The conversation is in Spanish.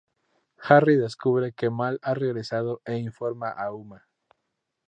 Harry descubre que Mal ha regresado e informa a Uma.